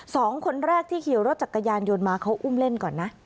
สองคนแรกที่ขี่รถจักรยานยนต์มาเขาอุ้มเล่นก่อนนะ